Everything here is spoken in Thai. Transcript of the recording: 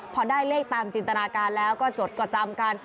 พอได้เลขตามจินตนาการแล้วก็จดก็จำกัน